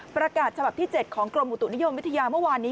ประกาศฉบับที่๗ของกรมอุตุนิยมวิทยาเมื่อวานนี้